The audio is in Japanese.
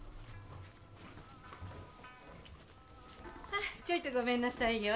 ああちょいとごめんなさいよ。